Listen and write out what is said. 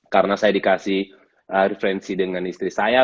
karena saya dikasih referensi dengan istri saya